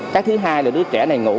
cái thứ hai là đứa trẻ này ngủ